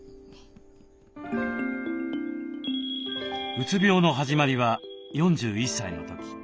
うつ病の始まりは４１歳の時。